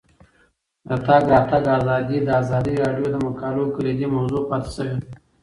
د تګ راتګ ازادي د ازادي راډیو د مقالو کلیدي موضوع پاتې شوی.